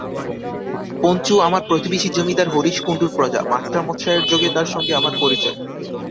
পঞ্চু আমার প্রতিবেশী জমিদার হরিশ কুণ্ডুর প্রজা, মাস্টারমশায়ের যোগে তার সঙ্গে আমার পরিচয়।